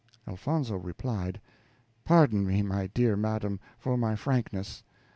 Elfonzo replied, "Pardon me, my dear madam, for my frankness.